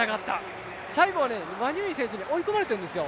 最後はワニョンイ選手に追い込まれてるんですよ。